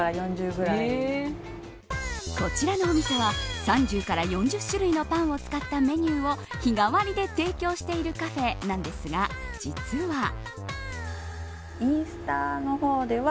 こちらのお店は３０から４０種類のパンを使ったメニューを日替わりで提供しているカフェなんですが実は。